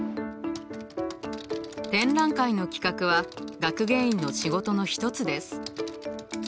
展覧会の企画は学芸員の仕事の一つです。